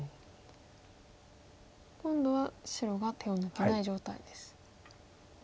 今度は白が手を抜けない状態です。